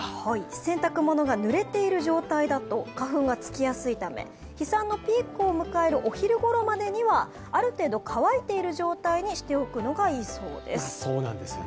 洗濯物が濡れている状態だと花粉がつきやすいため、飛散のピークを迎えるお昼ごろまでには、ある程度乾いている状態にしておくのがいいそうです。